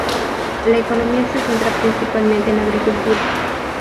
La economía se centra principalmente en la agricultura.